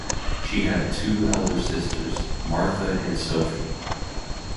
She had two elder sisters, Martha and Sophie.